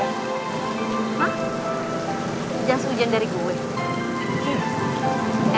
jas hujan dari gue